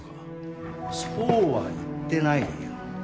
そうは言ってないよ。